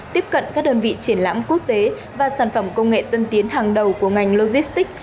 tiếp cận các đơn vị triển lãm quốc tế và sản phẩm công nghệ tân tiến hàng đầu của ngành logistics